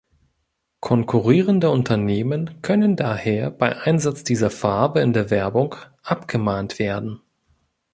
Konkurrierende Unternehmen können daher bei Einsatz dieser Farbe in der Werbung abgemahnt werden.